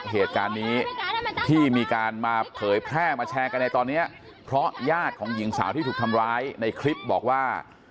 เหตุการณ์นี้ที่มีการมาเผยแพร่มาแชร์กันในตอนนี้เพราะญาติของหญิงสาวที่ถูกทำร้ายในคลิปบอกว่า